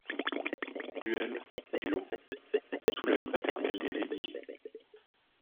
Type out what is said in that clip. Duel, duo. Sous l'oeil paternel des édiles, ..